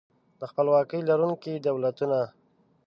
د خپلواکۍ لرونکي دولتونه